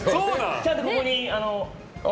ちゃんとここに。